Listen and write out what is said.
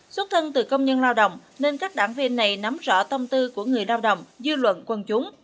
xuất thân từ công nhân lao động nên các đảng viên này nắm rõ tâm tư của người lao động dư luận quân chúng